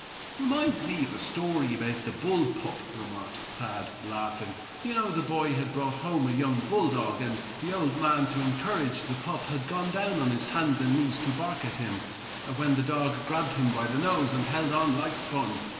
"Reminds me of the story of the bull pup," remarked Thad, laughing. "You know, the boy had brought home a young bulldog, and the old man, to encourage the pup, had gone down on his hands and knees to bark at him, when the dog grabbed him by the nose and held on like fun.